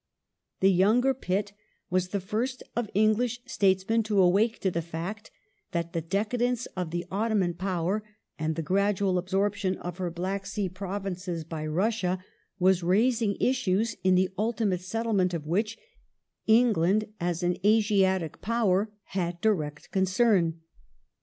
The younger Pitt was the first of English statesmen to awake to the fact that the decadence of the Ottoman power and the gradual absorption of her Black Sea Provinces by Russia was raising issues in the ultimate settlement of which England, as an Asiatic power, had direct concern.